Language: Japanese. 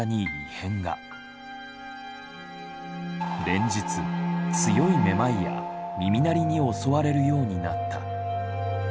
連日強いめまいや耳鳴りに襲われるようになった。